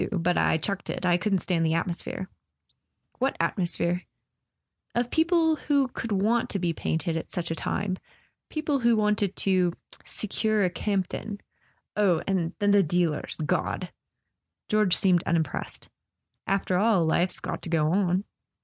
But I chucked it. I couldn't stand the at¬ mosphere." " What atmosphere ?" "Of people who could want to be painted at such a time. People who wanted to 'secure a Campton.' Oh, and then the dealers—God !" George seemed unimpressed. "After all, life's got to go on."